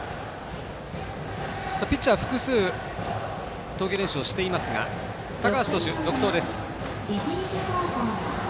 ピッチャー、複数投球練習していますが高橋投手、続投です。